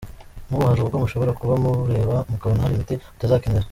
Nk’ubu hari ubwo mushobora kuba mureba mukabona hari imiti mutazakenera.